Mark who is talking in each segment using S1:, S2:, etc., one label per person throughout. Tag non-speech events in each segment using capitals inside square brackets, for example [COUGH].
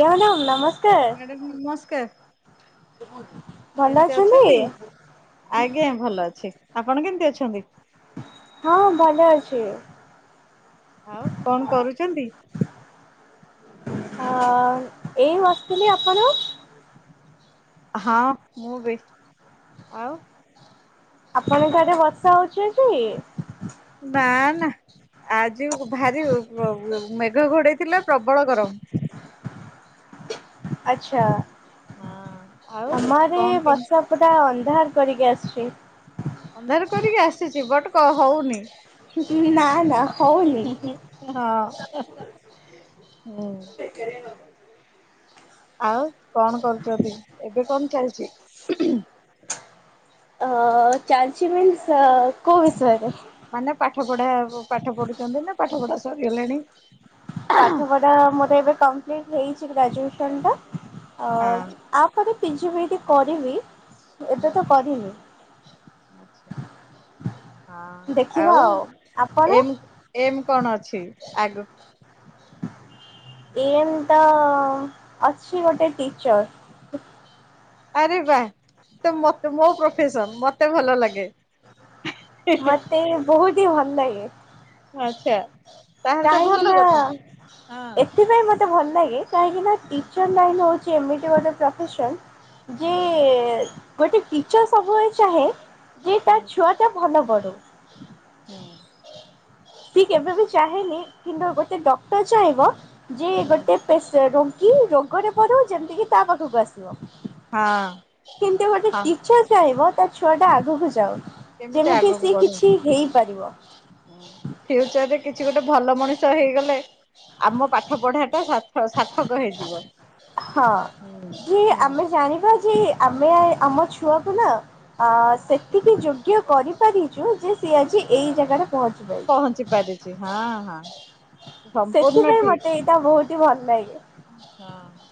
S1: ଆଜ୍ଞା ମ୍ୟାଡ଼ାମ ନମସ୍କାର
S2: ମ୍ୟାଡାମ ନମସ୍କାର।
S1: ଭଲ ଅଛନ୍ତି।
S2: ଆଜ୍ଞା ଭଲ ଅଛି ଆପଣ କେମିତି ଅଛନ୍ତି?
S1: ହଁ ହଁ ଭଲ ଅଛି।
S2: ଆଉ କଣ କରୁଚନ୍ତି।
S1: ଅ ଏଇ ବସିଥିଲି ଆପଣ
S2: ହଁ ମୁଁ ବି ଆଉ
S1: ଆପଣଙ୍କ ଆଡ଼େ ବର୍ଷା ହଉଛି ଆଜି।
S2: ନା ନା ଆଜି ଭାରି ମେଘ ଘୋଡେଇଥିଲା ପ୍ରବଳ ଗରମ।
S1: ଆଚ୍ଛା।
S2: ହଁ ଆଉ
S1: ଆମ ଆଡେ
S2: କଣ କେମିତି
S1: ବର୍ଷାପୁରା ଅନ୍ଧାର କରିକି ଆସୁଛି?
S2: ଅନ୍ଧାର କରିକି ଆସିଛି ବଟ୍ କ ହଉନି?
S1: ନା ନା ହଉନି
S2: ହଁ ହୁଁ।
S1: ବେକାରିଆ ନ ହୋଉ
S2: ଆଉ କଣ କରୁଚନ୍ତି ଏବେ କଣ ଚାଲିଚି।
S1: ଅ, ଚାଲଛି ମିନ୍ସ ଅ, କୋଉ ବିଷୟରେ?
S2: ମାନେ ପାଠ ପଢା ପ- ପାଠ ପଢୁଚନ୍ତି ନା ପାଠ ପଢା ସରିଗଲାଣି?
S1: ପାଠ ପଢା ମୋର ଏବେ କମ୍ପ୍ଲିଟ୍ ହେଇଛି ଗ୍ରାଜୁଏସନ ଟା। ଆ,
S2: ହଁ।
S1: ଆ ମୁଁ ଏବେ ପିଜି ମୁଁ ଏବେ କରିମି। ଏବେ ତ କରିନି।
S2: ଆଚ୍ଛା, ହଁ
S1: ଦେଖିବା
S2: ଆଉ
S1: ଆପଣ?
S2: ଏମି ଏମ୍ କଣ ଅଛି ଆଗକୁ?
S1: ଏମ୍ ତ ଅଛି ଗୋଟେ ଟିଚର୍।
S2: ଆରେ ବା ତ ମୋତେ ମୋ ପ୍ରଫେସନ୍ ମୋତେ ଭଲ ଲାଗେ।
S1: ମୋତେ ବି ବହୁତି ଭଲ ଲାଗେ।
S2: ଆଚ୍ଛା।
S1: କାହିଁକି ନା ଏଥିପାଇଁ ମୋତେ ଭଲ ଲାଗେ କାହିଁକି ନା
S2: ହୁଁ
S1: ଟିଚର୍ ଲାଇନି ହଉଚି ଏମିତି ଗୋଟେ ପ୍ରଫେସନ୍ ଯେ
S2: ହୁଁ
S1: ଏ ଗୋଟେ ଟିଚର୍ ସବୁବେଳେ ଚାହେଁ ଯେ
S2: ହୁଁ।
S1: ତା ଛୁଆଟା ଭଲ ପଢୁ।
S2: ହୁଁ।
S1: ସିଏ କେବେବି ଚାହେଁନି କିନ୍ତୁ ଗୋଟେ ଡକ୍ଟର୍ ଚାହିଁବ ଯେ ଗୋଟେ ତ ସେ ରୋଗି ରୋଗରେ ପଡୁ ଯେମିତିକି ତା ପାଖକୁ ଆସିବ।
S2: ହଁ
S1: କିନ୍ତୁ ଗୋଟେ
S2: ହଁ
S1: ଟିଚର୍ ଚାହିଁବ ତା ଛୁଆ ଟା ଆଗକୁ ଯାଉ।
S2: କେମିତି
S1: ଯେମିତି ସେ କିଛି ହେଇପାରିବ।
S2: ହଁ ଫିୟୁଚର ରେ କିଛି ଗୋଟେ ଭଲ ମଣିଷ ହେଇଗଲେ ଆମ ପାଠ ପଢା ଟା ସାଥ ସାର୍ଥକ ହେଇଯିବ।
S1: ହଁ
S2: ହୁଁ
S1: ଯିଏ
S2: ହୁଁ
S1: ଆମେ ଜାଣିବା ଯେ ଆମେ ଆମ ଛୁଆକୁ ନା ଆ,
S2: ହଁ
S1: ସେତିକି ଯୋଗ୍ୟ କରି ପାରିଚୁ ଯେ ସିଏ ଆଜି
S2: ହଁ
S1: ଏଇ ଜାଗାରେ ପହଞ୍ଚିାପାରିଚି।
S2: ପହଞ୍ଚି ପାରି ଚି ହଁ, ହଁ ସମ୍ପୂର୍ଣ୍ଣ
S1: ସେଥିପାଇଁ ମୋତେ ଏଇଟା ବହୁତି ଭଲ ଲାଗେ।
S2: ହଁ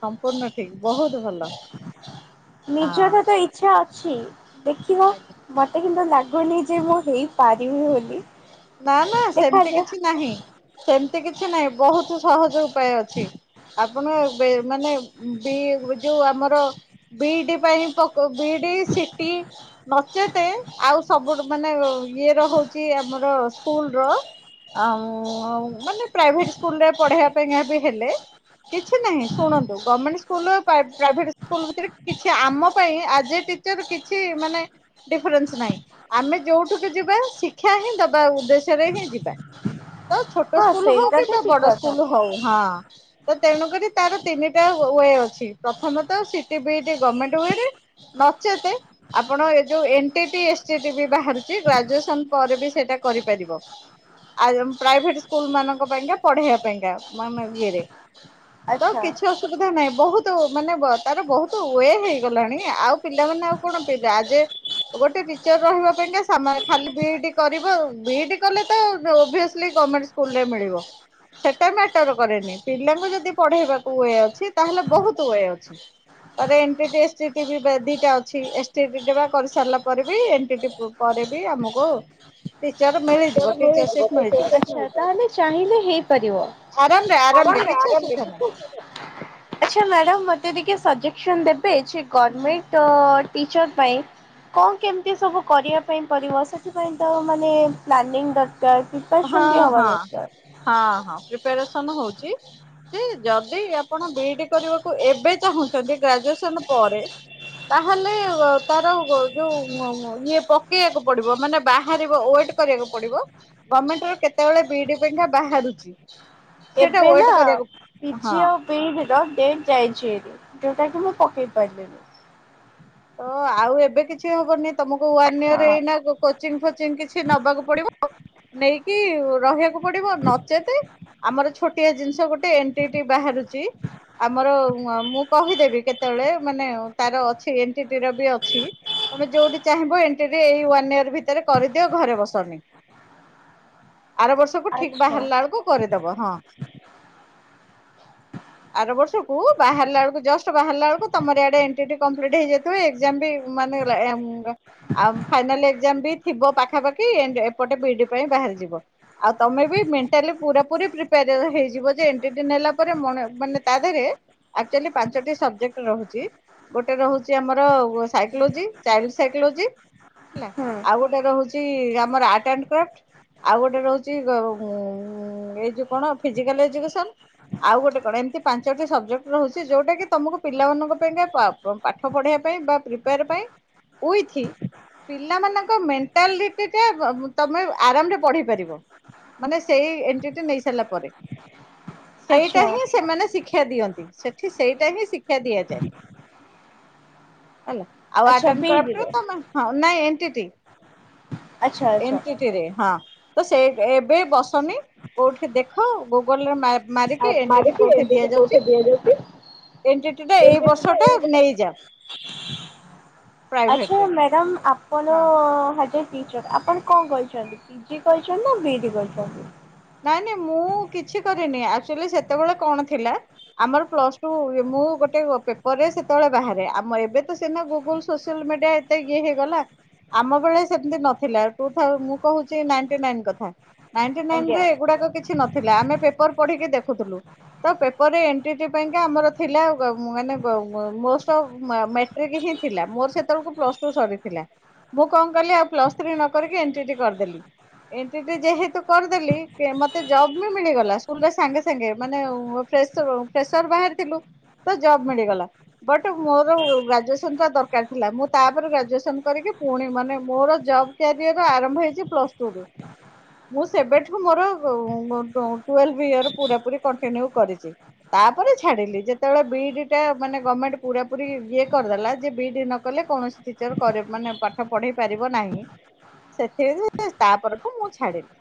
S2: ସମ୍ପୂର୍ଣ୍ଣ ଠିକ ବହୁତ ଭଲ।
S1: ନିଜର
S2: ଆଜ୍ଞା।
S1: ତ ଇଚ୍ଛା ଅଛି ଦେଖିବା ମୋତେ କିନ୍ତୁ ଲାଗୁନି ଯେ ମୁଁ ହେଇପାରିବି ବୋଲି।
S2: ନା ନା ସେମିତି
S1: ଦେଖାଯାଉ।
S2: କିଛି ନାହିଁ, ସେମିତି କିଛି ନାହିଁ, ବହୁତ ସହଜ ଉ ପାୟ ଅଛି, ଆପଣ ଏବେ ମାନେ ବି- ଯୋଉ ଆମର ବିଇଡି ପାଇଁ ପକୋଉ ବିଇଡି, ସିଟି ନଚେତେ ଆଉ ସବୁଠୁ ମାନେ ଅ, ଇଏ ର ହଉଛି ଆମର ସ୍କୁଲ୍ ର ଆଉ ଆଉ ମାନେ ପ୍ରାଇଭେଟ୍ ସ୍କୁଲ୍ ରେ ପଢ଼େଇବା ପାଇଁକା ବି ହେଲେ କିଛି ନାହିଁ ଶୁଣନ୍ତୁ ଗର୍ମେଣ୍ଟ ସ୍କୁଲ୍ ପାଇ- ପ୍ରାଇଭେଟ୍ ସ୍କୁଲ୍ ଭିତରେ କିଛି ଆମ ପାଇଁ ଆଜ ଏ ଟି ଚର୍ କିଛି ମାନେ ଡିଫରେନ୍ସ ନାହିଁ ଆମେ ଯୋଉଠିକି ଯିବା ଶିକ୍ଷା ହିଁ ଦବ ବା ଉଦ୍ଦେଶ୍ୟରେ ହିଁ ଯିବା। ତ ଛୋଟ
S1: ହଁ
S2: ସ୍କୁଲ୍ ହଉ
S1: ସେଇଟା
S2: କିମ୍ବା
S1: ତ ଠିକ
S2: ବଡ
S1: କଥା
S2: ସ୍କୁଲ୍ ହଉ ହଁ ତ ତେଣୁ କରି ତାର ତିନିଟା ହୋଉଏ ଅଛି। ପ୍ରଥମେ ତ ସିଟି ଵିଇଡି ଗମେଣ୍ଟ ଉଏରେ। ନଚେତେ ଆପଣ ଏ ଯୋଉ ଏନ ଟିଟି ଏସଟିଟି ବି ବାହାରୁଚି ଗ୍ରାଜୁଏସନ ପରେ ବି ସେଟା କରିପାରିବ। ଆଇଏମ ପ୍ରାଇଭେଟ୍ ସ୍କୁଲ୍ ମାନଙ୍କ ପାଇଁକା ପଢେଇବା ପାଇଁକା ମାନେ ଇଏରେ ତ
S1: ଆଚ୍ଛା।
S2: କିଛି ଅସୁ ସୁବିଧା ନାହିଁ। ବହୁତୁ ମାନେ ବ-ତାର ବହୁତୁ ୱେ ହେଇଗଲାଣି। ଆଉ ପିଲାମାନେ ଆଉ କଣ ପିଲା ଆଗେ ଗୋଟେ ଟିଚର ରହିବା ପାଇଁକା ସାମା ଖାଲି ବିଇଡି କରିବ ଆଉ! ବିଇଡି କଲେ ତ ଓଭିଏସଲି ଗମେଣ୍ଟ ସ୍କୁଲ ରେ ମିଳିବ। ସେଟା ମ୍ୟାଟର କରେନି ପିଲାଙ୍କୁ ଯଦି ପଢେଇବାକୁ ୱଏ ଅଛି! ତାହେଲେ ବହୁତ ୱଏ ଅଛି। ଆରେ ଏଣ୍ଟିଟେଷ୍ଟ ଟିଭି ପା ଦିଟା ଅଛି! ଏସ୍ଟିଡିଡବା କରିସାରିଲା ପରେ ବି ଏଣ୍ଟିଡି ବୁକ ପରେ ବି ଆମକୁ ଟିଚର ମିଳିଚି
S1: ଆଛା ତାହେଲେ ଚାହିଁଲେ ହେଇପାରିବ?
S2: ଆରାମରେ ଆରାମରେ
S1: ଆରାମେ ରେ
S2: କିଛି
S1: ଆରାମ ରେ
S2: ଅସୁବିଧା
S1: ଦେ
S2: ନାହିଁ।
S1: ଆଛ ମ୍ୟାଡ଼ାମ ମତେ ଟିକେ ସଜେସନ ଦେବେ ଯେ
S2: ହୁଁ
S1: ଗଭର୍ମେଣ୍ଟ ଅ ଟିଚର ପାଇଁ। କଣ କେମିତି ସବୁ କରିବା ପାଇଁ ପଡ଼ିବ ସେଥିପାଇଁ ତ ମାନେ ପ୍ଲାନିଂ? ଦରକାର୍।
S2: ହଁ ହଁ ହଁ ହଁ ପ୍ରିପାରେସନ ହଉଛି। ସେ ଯଦି ଆପଣ ବିଇଡି କରିବାକୁ ଏବେ ଚାହୁଁଛନ୍ତି ଗ୍ରାଜୁଏସନ ପରେ। ତାହେଲେ ତାର ଯୋଉ ଇଏ ପକେଇବାକୁ ପଡିବ ମାନେ ବାହାରିବ ଓ ଏଟ୍। କରିବାକୁ ପଡିବ ଗମେଣ୍ଟ ର କେତେବେଳେ ବିଇଡି ପାଇଁ କା ବାହାରୁଛି। ସେଇଟା
S1: ଏବେ
S2: ୱେଟ
S1: ନା
S2: କରିବାକୁ ହଁ
S1: ପିଜି ଆଉ। ବି ଇ ଡି ର ଡେଟ୍ ଯାଇଛି ହାରି ଯୋଉଟା କି ମୁଁ ପକେଇ ପାରିଲିନି।
S2: ତ ଆଉ ଏବେ କିଛି ହବନି ତମକୁ ୱାନ ଇୟର
S1: ହଁ
S2: ଏଇନା। କୋଚିଂ ଫୋଚିଂ କିଛି ନବାକୁ ପଡିବ ନେଇକି ରହିବାକୁ ପଡିବ ନଚେତ। ଆମର ଛୋଟିଆ ଜିନିଷ ଗୋଟେ ଏଣ୍ଟିଟି ବାହାରୁଛି। ଆମର ମୁଁ କହିଦେବି କେତେବେଳେ ମାନେ ତାର ଅଛି ଏନ ଟି ଟି ର ବି ଅଛି। ତମେ ଯୋଉଠି ଚାହିଁବ ଏଣ୍ଟି ଟି ଏଇ ୱାନ୍ ଇୟର ଭିତରେ କରିଦିଅ ଘରେ ବସନି। ଆର ବର୍ଷକୁ ଠିକ
S1: ଆଚ୍ଛା
S2: ବାହାରିଲା ବେଳକୁ କରିଦବ ହଁ। [INAUDIBLE] ଆର ବର୍ଷକୁ ବାହାରିଲ ବେଳକୁ ଜଷ୍ଟ ବାହାରିଲା ବେଳକୁ ତମର ଆଡେ ଏଣ୍ଟିଟି କଂପ୍ଲିଟ୍ ହେଇଯାଇଥିବ। ତୁ ଏଗଜାମ ବି ମାନ ଆଉ ଫାଇନାଲ ଏକ୍ଜାମ ବି ଥିବ ପାଖାପାଖି ଏପଟେ ବିଇଡି ପାଇଁ ବାହାରି ଯିବ। ଆଉ ତମେ ବି ମେଣ୍ଟାଲି ପୁରା ପୁରି ପ୍ରେପାଇର ହେଇଯିବ ଯେ ଏନ୍ ଟି ଟି ନେଲା ପରେ ମାନେ ତା ଦେହରେ। ଆକ୍ଚୁଆଲି ପାଞ୍ଚଟି ସବଜେକ୍ଟ ରହୁଛି ଗୋଟେ ରହୁଛି। ଛି ଆମର ସାଇକୋଲୋଜି ଚାଇଲ୍ଡ ସାଇକୋଲୋଜି ହେଲା
S1: ହୁଁ
S2: ଆଉ ଗୋଟେ। ଟ ରହୁଛି ଆମର ଆର୍ଟ ଆଣ୍ଡ କ୍ରା୍ଫ୍ଟ୍। ଆଉ ଗୋଟେ ରହୁଛି ଏଇ ଯୋଉ କଣ ଫିଜିକାଲ ଏଜୁକେସନ। ଆଉ ଗୋଟେ କଣ ଏମିତି ପାଞ୍ଚଟି ସବଜେକ୍ଟ ରହୁଛି ଯୋଉଟା କି ତମକୁ ପିଲାମାନଙ୍କ ପାଇଁକା ପାଠ ପଢେଇବା ପାଇଁ ବା ପ୍ରିପେୟାର ପାଇଁ ଉଇଥି ପିଲାମାନଙ୍କ ମେଣ୍ଟାଲିଟି ଟା ତମେ ଆରାମରେ ପଢି ପାରିବ। ମାନେ ସେଇ ଏଣ୍ଟିଟି ନେଇ ସାରିଲା ପରେ। ସେଇଟା
S1: ଆଚ୍ଛା
S2: ହିଁ ସେମାନେ ଶିକ୍ଷା ଦିଅନ୍ତି ସେଠି ସେଇଟା ହିଁ ଶିକ୍ଷା ଦିଆଯାଏ। ହେଲା ଆଉ ଆର୍ଟ
S1: ଆଚ୍ଛା
S2: ଆଣ୍ଡ କ୍ରାଫ୍ଟ
S1: ବିଇଡିରେ
S2: ତମେ ହଁ ନାଇଁ ଏଣ୍ଟିଟି।
S1: ଆଚ୍ଛା ଆଚ୍ଛା।
S2: ଏଣ୍ଟିଟୀ। ହଁ ତ ସେ ଏବେ ବସନି କୋଉଠି ଦେଖ ଗୁଗଲରେ ମପ।
S1: ଆଉ
S2: ମାରିକି ଏଣ୍ଟିଟି
S1: ଏନ୍
S2: କୋଉଠି
S1: ଟି ଟି ପରୀକ୍ଷା
S2: ଦିଆଯାଉଛି
S1: ଦିଆଯାଉଛି
S2: ଏଣ୍ଟିଟି ଟା
S1: ଏନ୍
S2: ଏଇ
S1: ଟି ଟି
S2: ବର୍ଷ
S1: ର
S2: ଟା
S1: ଏଇ
S2: ନେଇଯାଅ।
S1: ଆଚ୍ଛା
S2: ପ୍ରାଇଭେଟରେ
S1: ମ୍ୟାଡ଼ାମ ଆପଣ
S2: ହଁ
S1: ହଜି। ଆପଣ କଣ କରିଛନ୍ତି ପିଜି କରିଛନ୍ତି ନା ବି ଡି କରିଛନ୍ତି?
S2: ନାଇଁ ନାଇଁ ମୁଁ କିଛି କରିନି ଆକ୍ଚୁଲି ସେତେବେଳେ କଣ ଥିଲା। ଆମର ପ୍ଲସ ଟୁ ମୁଁ ଗୋଟେ ପେପରରେ ସେତେବେଳେ ବାହାରେ ଆମ ଏବେ ତ ସେନା ଗୁଗୁଲ ସୋସିଆଲ ମିଡିଆ। ତେ ଇଏ ହେଇଗଲା। ଆମ ବେଳେ ସେମିତି ନଥିଲା ଟୁ ଥାଉ ମୁଁ କହୁଛି ନାଇନ ଟି ନାଇନ କଥା। ନାଇନ୍ ଟି ନାଇନ୍
S1: ଆଜ୍ଞା
S2: ରେ ଏଗୁଡାକ କିଛି ନଥିଲା ଆମେ ପେପର ପଢିକି ଦେଖୁଥିଲୁ। ତ ପେପରରେ ଏଣ୍ଟ୍ରି ପାଇଁକା ଆମର ଥିଲା ମାନେ ମଷ୍ଟଅଫ୍ ମେଟ୍ରିକ୍ ହିଁ। ଥିଲା ମୋର ସେତେବେଳକୁ ପ୍ଲସ ଟୁ ସରିଥିଲା ମୁଁ କଣ କଲି ଆଉ ପ୍ଲସ ଥ୍ରୀ ନ କରିକି ଏନ୍ ଟିଟି କରିଦେଲି। ଏନ୍ ଟିଟି ଯେହେତୁ କରିଦେଲି। ମତେ ଜବ୍ ବି ମିଳିଗଲା ସ୍କୁଲରେ ସାଙ୍ଗେ ସାଙ୍ଗେ ମାନେ ଫ୍ରେସ ଫ୍ରେସର ବାହାରିଥିଲୁ। ତ ଜବ୍ ମିଳିଗଲା। ବଟ୍ ମୋର ଗ୍ରାଜୁଏସନ୍ ଟା ଦରକାର ଥିଲା ମୁଁ ତାପରେ ଗ୍ରାଜୁଏସନ୍ କରିକି ପୁଣି ମାନେ ମୋର ଜବ୍। କ୍ୟାରିୟର ଆରମ୍ଭ ହେଇଛି ପଲସ୍ ଟୁ ରୁ ମୁଁ ସେବେଠୁ। ମୋର ଟୁଏଲ୍ଭ ଇୟର ପୁରା ପୁରି କଣ୍ଟିନିଉ କରିଛି। ତାପରେ ଛାଡ଼ିଲି ଯେତେବେଳେ ବିଇଡି ଟା ମାନେ ଗମେଣ୍ଟ ପୁରାପୁରରି ଇଏ କରିଦେଲା ଯେ ବିଇଡି ନ କଲେ କୌଣସି ଟିଚର କରେ ମାନେ ପାଠ ପଢେଇ ପାରିବ ନାହିଁ ସେଥିରୁ ତା ପରଠୁ ମୁଁ ଛାଡ଼ିଲି।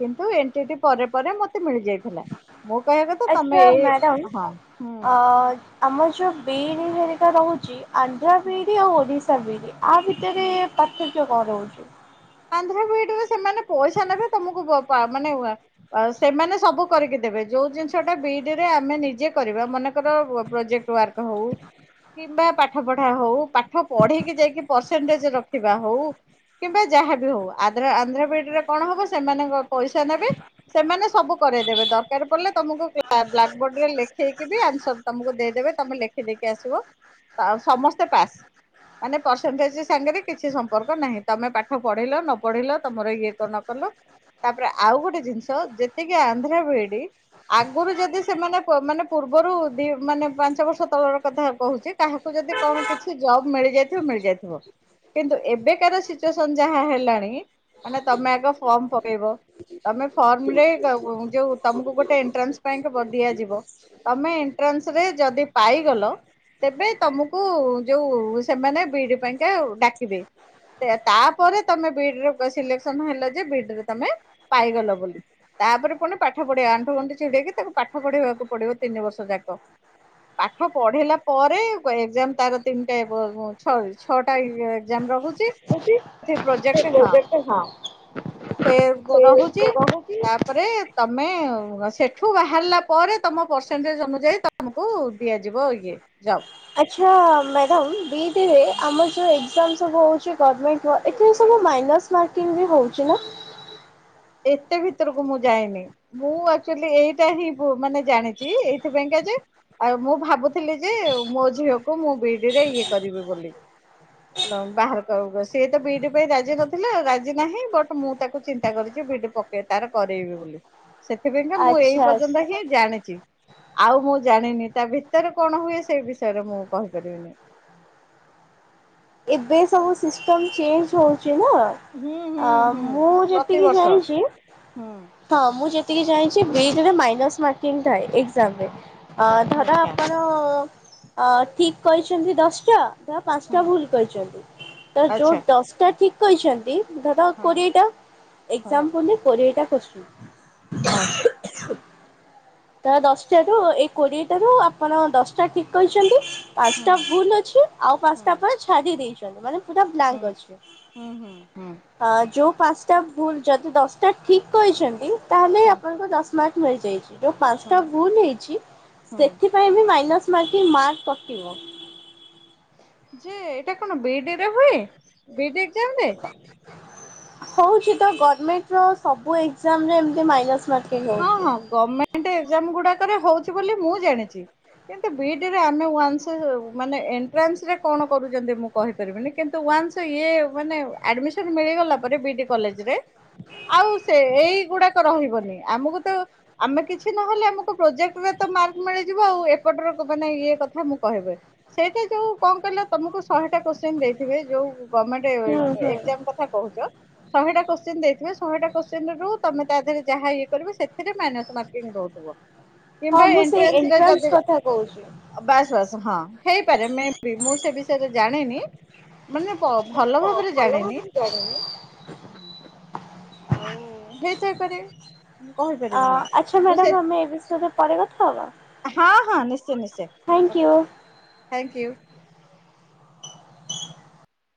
S2: କିନ୍ତୁ ଏନ୍ ଟିଟି ପରେ ପରେ ମତେ ମିଳିଯାଇଥିଲା ମୁଁ କହିବା କଥା ତମେ
S1: ଆଚ୍ଛା
S2: ଏଇ
S1: ମ୍ୟାଡ଼ାମ୍
S2: ହଁ ହୁଁ
S1: ଅ ଆମ ଯୋଉ ବିଇଡି ହେରିକା ରହୁଛି ଆନ୍ଧ୍ର
S2: ହୁଁ
S1: ବିଇଡି ଆଉ ଓଡିଶା ବିଇଡି ଆ ଭିତରେ
S2: ହୁଁ
S1: ପାର୍ଥକ୍ୟ କଣ ରହୁଛି।
S2: ଆନ୍ଧ୍ର ବିଇଡ ରେ ସେମାନେ ପଇସା ନେବେ ତମକୁ ବ ପା ମାନେ। ଆ ସେମାନେ ସବୁ କରିକି ଦେବେ ଯୋଉ ଜିନିଷ ଟା ବିଇଡିରେ ଆମେ ନିଜେ କରିବା ମନେକର ପ୍ରୋଜେକ୍ଟ ୱାର୍କ ହଉ କିମ୍ବା ପାଠ ପଢା ହଉ ପାଠ ପଢେଇକି ଯାଇକି ପରସେଣ୍ଟେଜ ରଖିବା ହଉ କିମ୍ବା ଯାହାବି ହଉ ଆଦ୍ରା ଆନ୍ଧ୍ରା ବିଇଡି ରେ କଣ ହବ ସେମାନଙ୍କ ପଇସା ନେବେ ସେମାନେ ସବୁ କରାଇଦେବେ ଦରକାର ପଡ଼ିଲେ ତମକୁ ବ୍ଲାକ ବ୍ଲାକବୋର୍ଡ ରେ ଲେଖେଇକି ବି ଆନ୍ସର ତମକୁ ଦେଇଦେବେ ତମେ ଲେଖିଦେଇକି ଆସିବ ସମସ୍ତେ ପାସ୍। ମାନେ ପରସେଣ୍ଟେଜ ସାଙ୍ଗରେ କିଛି ସମ୍ପର୍କ ନାହିଁ ତମେ ପା ପାଠ ପଢେଇଲ ନ ପଢିଲ ତମର ଇଏ କଣ ନ କଲ ତାପରେ ଆଉ ଗୋଟେ ଜିନିଷ ଯେତିକି ଆନ୍ଧ୍ର ବିଇଡି ଆଗରୁ ଯଦି ସେମାନେ ମାନେ ପୂର୍ବରୁ ଦି ମାନେ ପାଞ୍ଚ ବର୍ଷ ତଳର କଥା କହୁଛି କାହାକୁ ଯଦି କଣ କିଛି ଜବ ମିଳିଯାଇଥିବ ମିଳିଯାଇଥିବ କିନ୍ତୁ ଏବେକାର ସିଚୁଏ ସନ୍ ଯାହା ହେଲାଣି ମାନେ ତମେ ଆଗ ଫର୍ମ ପକେଇବ। ତମେ ଫର୍ମ ରେ ଯୋଉ ତମକୁ ଗୋଟେ ଏଣ୍ଟ୍ରାନ୍ସ ପାଇଁ କି ବଣ୍ଡ ଦିଆଯିବ। ତମେ ଏଣ୍ଟ୍ରାନ୍ସ ରେ ଯଦି ପାଇଗଲ। ତେବେ ତମକୁ ଯୋଉ ସେମାନେ ବିଇଡି ପାଇଁକା ଡାକିବେ। ତାପରେ ତମେ ବିଇଡି ର ସିଲେକ୍ସନ ହେଲ ଯେ ବିଇଡି ରେ ତମେ ପାଇଗଲ ବୋଲି। ତାପରେ ପୁଣି ପାଠ ପଢେଇବା ଆଣ୍ଠୁ ଗଣ୍ଠି ଛିଡେଇକି ତାକୁ ପାଠ ପଢେଇବାକୁ ପଡିବ ତିନି ବର୍ଷ ଯାକ। ପାଠ ପଢେଇିଲା ପରେ ଏକ୍ଜାମ ତାର ତିନିଟା ହବ ଛଟି। ଛଅଟା ଇଏ ଏକ୍ଜାମ ରହୁଛି। ପ୍ରୋଜେକ୍ଟ ହଁ
S1: [UNINTELLIGIBLE]
S2: ସେ ରହୁଛି
S1: ରହୁଛି
S2: ତାପରେ ତମେ ସେଠୁ ବାହାରିଲା ପରେ ତୁମ ପରର୍ସେଣ୍ଟେଜ୍ ଅନୁଯାୟୀ ତୁମକୁ ଦିଆଯିବ ଇଏ। ଯବ୍
S1: ଆଚ୍ଛା ମାଡ଼ାମ ବିଇଡ଼ିରେ ଆମର ଯେଉଁ ଏକ୍ଜାମ ସବୁ ହେଉଛି ଗଭର୍ଣ୍ଣମେଣ୍ଟ ଏଥିରେ ସବୁ ମାଇନସ ମାର୍କିଙ୍ଗ ବି ହଉଛି ନା?
S2: ଏତେ ଭିତରକୁ ମୁଁ ଯାଇନି। ମୁଁ ଆକ୍ଚୁଆଲି ଏଇଟା ହିଁ ବ ମାନେ ଜାଣିଛି ଏଇଥିପାଇଙ୍କା ଯେ ଆଉ ମୁଁ ଭାବୁଥିଲି ଯେ ମୋ ଝିଅକୁ ମୁଁ ବିଡିରେ ଇଏ କରିବି ବୋଲି। ଲମ୍ବା ହାର କରବ। ସିଏ ତ ବି ଇ ଡ ପାଇଁ ରାଜି ନଥିଲେ, ରାଜି ନାହିଁ। ବଟ୍ ମୁଁ ତାକୁ ଚିନ୍ତା କରିଚି ବିଟ୍ ପକେଇ ତାର କରେଇବି ବୋଲି। ସେଥିପାଇଁକା ମୁଁ ଏଇ
S1: ଆଚ୍ଛା ଆଚ୍ଛା
S2: ପର୍ଯ୍ୟନ୍ତ ହିଁ ଜାଣିଚି। ଆଉ ମୁଁ ଜାଣିନି। ତା ଭିତରେ କଣ ହୁଏ ସେ ବିଷୟରେ ମୁଁ କହିପାରିବିନି।
S1: ଏବେ ସବୁ ସିଷ୍ଟମ ଚେଞ୍ଜ ହଉଛି ନା।
S2: ହୁଁ ହୁଁ
S1: ଅ
S2: ହୁଁ।
S1: ମୁଁ ଯେତିକି
S2: ପ୍ରତିବର୍ଷ।
S1: ଜଣିଚି।
S2: ହୁଁ।
S1: ହଁ ମୁଁ ଯେତିକି ଜାଣିଚି ବି ଇ ଡି ରେ ମାଇନସ୍ ମାର୍କିଂ ଥାଏ ଏକ୍ଜାମ ରେ। ଅ ଧର
S2: ଆଚ୍ଛା।
S1: ଆପଣ ହ ଠିକ କହିଛନ୍ତି ଦଶଟା, ଧର ପାଁସଟା
S2: ହୁଁ।
S1: ଭୁଲ କହିଛନ୍ତି। ତ ଯୋଉ
S2: ଆଚ୍ଛା।
S1: ଦଶଟା ଠିକ କହିଛନ୍ତି ଧର ଆଉ
S2: ହଁ।
S1: କୋଡ଼ିଏଟା।
S2: ହଁ
S1: ଏକ୍ସାମ ଦେଲେ କୋଡ଼ିଏଟା କୋସଚିନ।
S2: [UNINTELLIGIBLE]
S1: ତ ଦଶଟାରୁୁ ଏଇ କୋଡିଏଟାରୁୁ ଆପଣ ଦଶଟା ଠିକ କହିଛନ୍ତି।
S2: ହୁଁ
S1: ଆଠଟା ଭୁଲ ଅଛି। ଆଉ
S2: ହୁଁ
S1: ପାଁସଟା ଆପଣ ଛାଡି ଦେଇଛନ୍ତି। ମାନେ ପୁରା
S2: ହୁଁ
S1: ବ୍ଲାଙ୍କ ଅଛି।
S2: ହୁଁ ହୁଁ ହୁଁ
S1: ହ ଯୋଉ ପାଁସଟା ଭୁଲ ଯଦି ଦଶଟା ଠିକ କହିଛନ୍ତି ତାହେଲେ
S2: ହୁଁ
S1: ଆପଣଙ୍କ ଦଶ ମାର୍କ ମିଳିଯାଇଚି। ଯୋଉ
S2: ହୁଁ।
S1: ପାଁସଟା ଭୁଲ ହେଛିଚି
S2: ହୁଁ
S1: ସେଥି ପାଇଁ ବି ମାଇନସ୍ ମାର୍କିଙ୍ଗ ମାର୍କ କଟିବ।
S2: ଯେ ଏଇଟା କଣ ବି ଇ ଡ଼ି ରେ ହୁଏ? ବି ଇ ଡ଼ି ଏକ୍ଜାମ ରେ?
S1: ହଉଛି ତ। ଗର୍ଣ୍ଣମେଣ୍ଟ ର ସବୁ ଏକ୍ଜାମରେ ଏମିତି ମାଇନସ୍ ମାର୍କିଙ୍ଗ ହଉଛି।
S2: ଗମେଣ୍ଟ ଏକଜାମ ଗୁଡାକରେ ହଉଛି ବୋଲି ମୁଁ ଜାଣିଛି। କିନ୍ତୁ ବି ଇ ଡ଼ି ରେ ଆମେ ୱାନ୍ସ ମାନେ ଏଣ୍ଟାନ୍ସରେ କଣ କରୁଚନ୍ତି ମୁଁ କହିପାରିବିନି। କିନ୍ତୁ ୱାନ୍ସ ଇଏ ମାନେ ଆଡ଼ମିସନ୍ ମିଳିଗଲା ପରେ ବି ଡ଼ି କଲେଜରେ ଆଉ ସେ ଏଇଗୁଡାକ ରହିବନି। ଆମକୁ ତ ଆମେ କିଛି ନହେଲେ ଆମକୁ ପ୍ରୋଜେକ୍ଟରେ ତ ମାର୍କ ମିଳିଯିବ ଆଉ। ଏପଟର ମାନେ ଇଏ କଥା ମୁଁ କହିବି। ସେଇଠି ଯୋଉ କଣ କହିଲ ତମକୁ ଶହେଟା କୋଶ୍ଚିନ୍ ଦେଇଥିବେ। ଯୋଉ ଗମେଣ୍ଟ
S1: ହୁଁ ହୁଁ।
S2: ଏକ୍ଜାମ କଥା କହୁଚ ଶହେଟା କୋଶଚିନ ଦେଇଥିବେ। ଶହେଟା କୋଶ୍ଚିନରୁ ତମେ ତା ଦେହରେ ଯାହା ଇଏ କରିବ ସେଥିରେ ମାଇନସ ମାର୍କିଙ୍ଗ ରହୁଥିବ
S1: ହଁ
S2: କିମ୍ବା
S1: ମୁଁ ସେଇ
S2: ଏଣ୍ଟ୍ରାନ୍ସରେ
S1: ଏଣ୍ଟ୍ରାନ୍ସ
S2: ଯଦି ବା
S1: କଥା କହୁଛି।
S2: ବାସ ବାସ। ହଁ ହେଇପାରେ ମେ ବି ମୁଁ ସେ ବିଷୟରେ ଜାଣିନି। ମାନେ ପ ଭଲ ଭାବରେ ଜାଣିନି।
S1: ଭାବରେ ଜାଣିନି।
S2: ଆଉ ହେଇଥାଇପାରେ
S1: ଆ
S2: କହିପାରିବିନି
S1: ଆଚ୍ଛା
S2: ମୁଁ ସେ
S1: ମ୍ୟାଡ଼ାମ ଆମେ ଏ ବିଷୟରେ ପରେ କଥା ହବା।
S2: ହଁ -ହଁ, ନିଶ୍ଚୟ- ନିଶ୍ଚୟ।
S1: Thank
S2: okay
S1: you.
S2: Thank you.